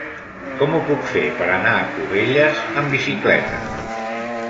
Com ho puc fer per anar a Cubelles amb bicicleta?